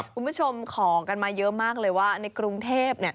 คุณผู้ชมขอกันมาเยอะมากเลยว่าในกรุงเทพ